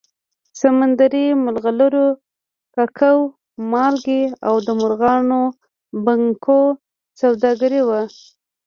سمندري مرغلرو، ککو، مالګې او د مرغانو بڼکو سوداګري وه